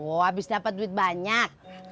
oh abis dapat duit banyak